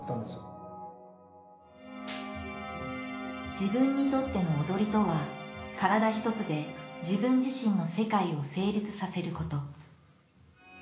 自分にとっての踊りとは体一つで自分自身の世界を成立させること。